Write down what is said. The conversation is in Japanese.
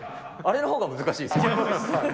あれのほうが難しいですよ。